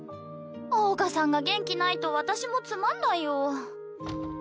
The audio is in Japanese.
桜花さんが元気ないと私もつまんないよ。